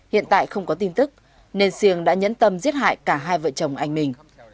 hiện tại không có tin tức nên siêng đã nhẫn tâm giết hại cả hai vợ chồng anh mình